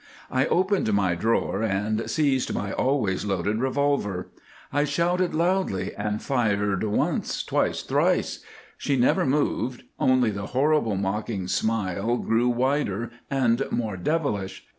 I opened my drawer and seized my always loaded revolver. I shouted loudly, and fired once, twice, thrice. She never moved; only the horrible mocking smile grew wider and more devilish.